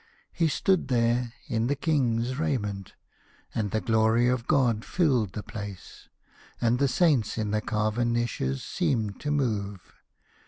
He stood there in a king's raiment, and the Glory of God tilled the place, and the saints in their carven niches seemed to move.